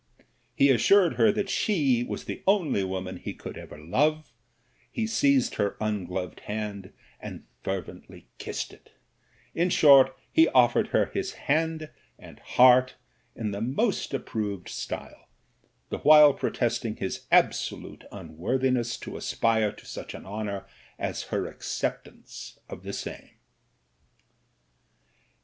He assured her that she was the only woman he could ever love ; he seized her ungloved hand and fer vently kissed it ; in short, he offered her his hand and heart in the most approved style, the while protesting his absolute unworthiness to aspire to such an honour as her acceptance of the same.